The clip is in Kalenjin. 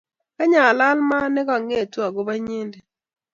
Kany alal maat ne kang'etu akobo inyete